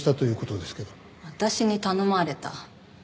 私に頼まれた？